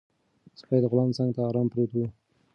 سپی د غلام څنګ ته ارام پروت و.